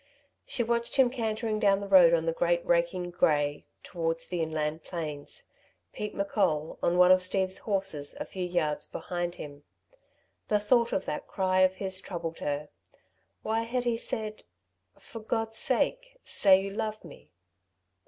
She watched him cantering down the road on the great raking grey, towards the inland plains, Pete M'Coll, on one of Steve's horses, a few yards behind him. The thought of that cry of his troubled her. Why had he said: "For God's sake, say you love me!"